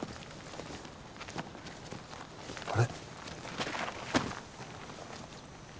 あれ？